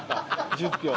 １０票。